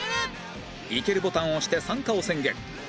イケるボタンを押して参加を宣言